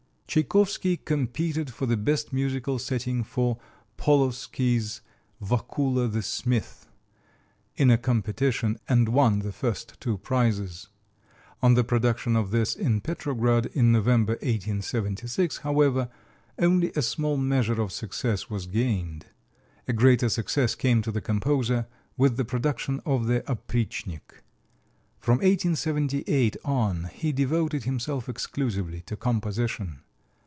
Tchaikovsky competed for the best musical setting for Polovsky's "Wakula the Smith" in a competition, and won the first two prizes. On the production of this in Petrograd, in November, 1876, however, only a small measure of success was gained. A greater success came to the composer with the production of the "Oprischnik." From 1878 on he devoted himself exclusively to composition.